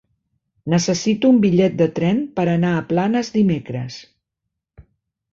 Necessito un bitllet de tren per anar a Planes dimecres.